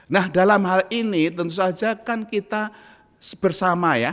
nah dalam hal ini tentu saja kan kita bersama ya